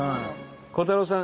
鋼太郎さん